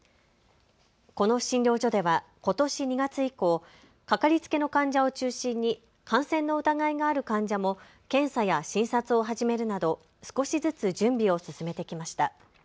この診療所ではことし２月以降、かかりつけの患者を中心に感染の疑いがある患者も検査や診察を始めるなど少しずつ準備を進めてきました。